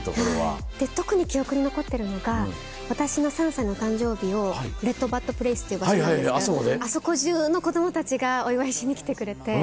特に記憶に残ってるのが私の３歳の誕生日をレッドバッド・プレイスっていう場所なんですけどあそこ中の子供たちがお祝いしにきてくれて。